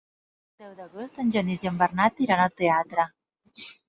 El deu d'agost en Genís i en Bernat iran al teatre.